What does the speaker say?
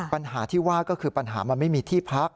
ปัญหาที่ว่าก็คือปัญหามันไม่มีที่พัก